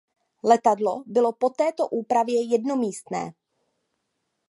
Letadlo bylo po této úpravě jednomístné.